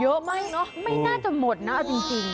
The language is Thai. เยอะไหมเนอะไม่น่าจะหมดนะจริง